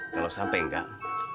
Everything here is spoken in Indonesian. kalau sampai enggak